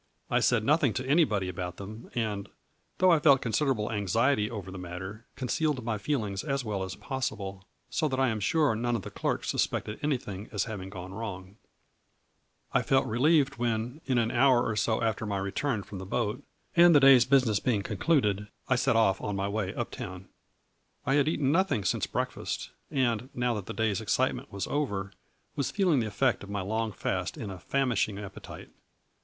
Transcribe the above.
I said nothing to anybody about them, and, though I felt con siderable anxiety over the matter, concealed my feelings as well as possible, so that I am sure none of the clerks suspected anything as having gone wrong. A FLURRY IN DIAMONDS. 95 I felt relieved when, in an hour or so after my return from the boat, and the day's business being concluded, I set off on my way up town. I had eaten nothing since breakfast, and, now that the day's excitement was over, was feeling the effect of my long fast in a famishing ap petite.